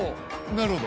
なるほど。